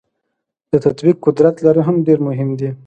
د تطبیق قدرت لرل هم ډیر مهم دي.